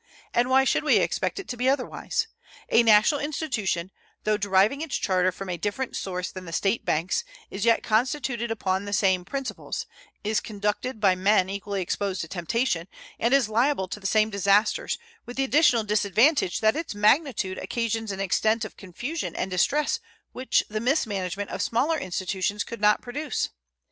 And why should we expect it to be otherwise? A national institution, though deriving its charter from a different source than the State banks, is yet constituted upon the same principles, is conducted by men equally exposed to temptation, and is liable to the same disasters, with the additional disadvantage that its magnitude occasions an extent of confusion and distress which the mismanagement of smaller institutions could not produce.